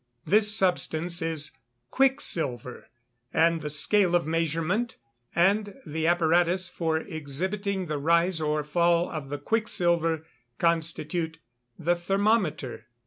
This substance is quicksilver; and the scale of measurement, and the apparatus for exhibiting the rise or fall of the quicksilver, constitute the thermometer.